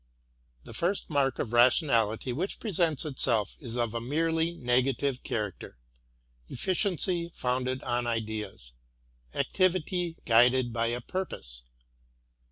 The first mark of rationality which presents itself is of a merely negative character, — efficiency founded on ideas — activity guided by a purpose.